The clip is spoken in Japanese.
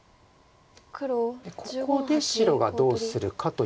ここで白がどうするかというのが。